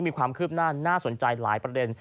มีความคืบหน้าน่าสนใจหลายประเด็น